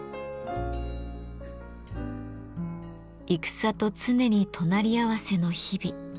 戦と常に隣り合わせの日々。